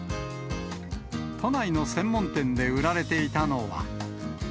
都内の専門店で売られていたのは。